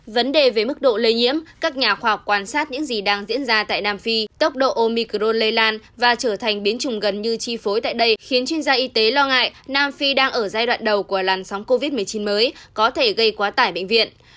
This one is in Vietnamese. vấn đề về mức độ lây nhiễm các nhà khoa học quan sát những gì đang diễn ra tại nam phi tốc độ omicro lây lan và trở thành biến chủng gần như chi phối tại đây khiến chuyên gia y tế lo ngại nam phi đang ở giai đoạn đầu của làn sóng covid một mươi chín mới có thể gây quá tải bệnh viện